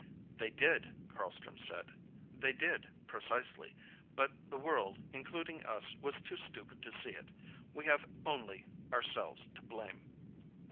"They did," Carlstrom said. "They did precisely. But the world, including us, was too stupid to see it. We have only ourselves to blame."